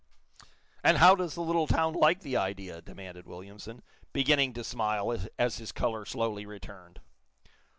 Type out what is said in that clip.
"And how does the little town like the idea!" demanded Williamson, beginning to smile as his color slowly returned.